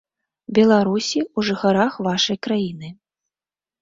Беларусі, у жыхарах вашай краіны.